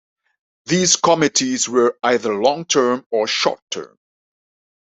These committees were either long-term or short-term.